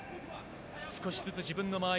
少しずつ自分の間合い